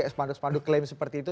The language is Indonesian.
sepanduk sepanduk claim seperti itu